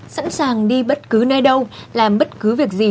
sẵn sàng đi bất cứ nơi đâu làm bất cứ việc gì